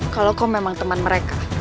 kalau kau memang teman mereka